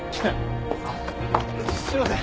すいません。